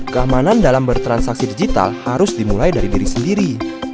keamanan dalam bertransaksi digital harus dimulai dari diri sendiri